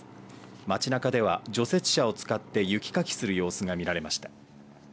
街なかでは、除雪車を使って雪かきをする様子が見られました。